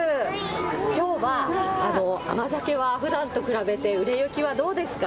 きょうは甘酒はふだんと比べて売れ行きはどうですか？